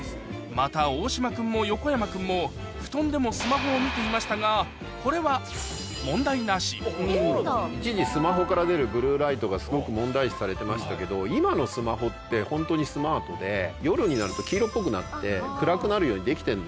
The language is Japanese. また大島君も横山君も布団でもスマホを見ていましたがこれは問題なし一時スマホから出るブルーライトがすごく問題視されてましたけど今のスマホってホントにスマートで夜になると黄色っぽくなって暗くなるようにできてるんですよね。